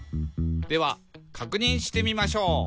「ではかくにんしてみましょう」